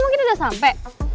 mungkin udah sampe